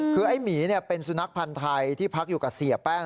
คือไอ้หมีเป็นสุนัขพันธ์ไทยที่พักอยู่กับเสียแป้ง